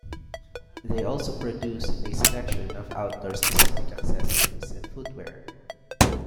They also produce a selection of outdoor specific accessories and footwear.